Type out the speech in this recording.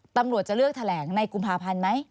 ตำรวจจะเลือกแถลงในกุมภาพันธ์ไหม